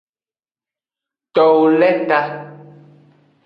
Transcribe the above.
Towo le ta.